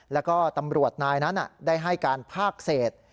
แล้วก็ตำรวจนายนั้นได้ให้การภาคเศษ